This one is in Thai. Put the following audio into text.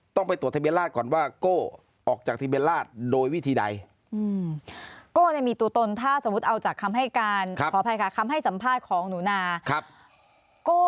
ต้องไปตรวจทะเบียนราชก่อนว่าโก้